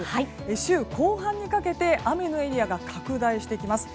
週後半にかけて雨のエリアが拡大してきます。